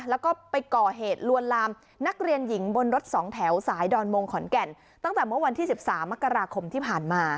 แล้วก็ไปก่อเหตุลวนลามนักเรียนหญิงบนรถสองแถวสายดอนมงขอนแก่นตั้งแต่เมื่อวันที่๑๓มกราคมที่ผ่านมา